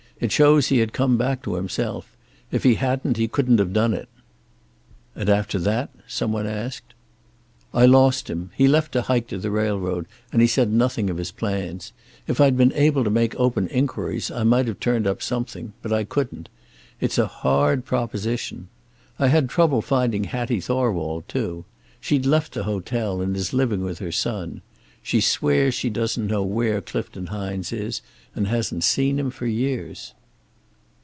"It shows he had come back to himself. If he hadn't he couldn't have done it." "And after that?" some one asked. "I lost him. He left to hike to the railroad, and he said nothing of his plans. If I'd been able to make open inquiries I might have turned up something, but I couldn't. It's a hard proposition. I had trouble finding Hattie Thorwald, too. She'd left the hotel, and is living with her son. She swears she doesn't know where Clifton Hines is, and hasn't seen him for years."